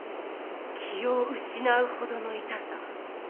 気を失うほどの痛さ。